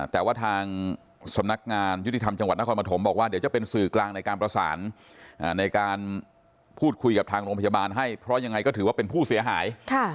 แต่ว่าทางสำนักงานยุติธรรมจังหวัดนครปฐมบอกว่าเดี๋ยวจะเป็นสื่อกลางในการประสานในการพูดคุยกับทางโรงพยาบาลให้เพราะยังไงก็ถือว่าเป็นผู้เสียหาย